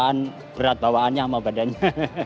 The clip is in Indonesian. kan berat bawaannya sama badannya